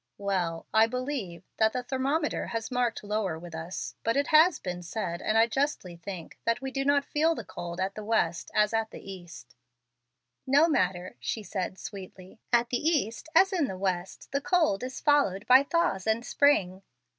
"Well, I believe that the thermometer has marked lower with us, but it has been said, and justly I think, that we do not feel the cold at the West as at the East." "No matter," she said, sweetly. "At the East, as in the West, the cold is followed by thaws and spring."